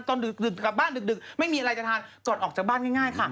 ดึกกลับบ้านดึกไม่มีอะไรจะทานจดออกจากบ้านง่ายค่ะ